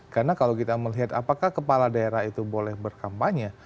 karena kalau kita melihat apakah kepala daerah itu boleh berkampanye